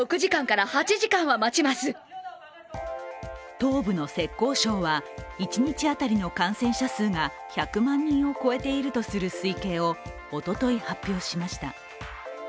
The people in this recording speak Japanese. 東部の浙江省は一日当たりの感染者数が１００万人を超えているとする推計をおととい発表しました。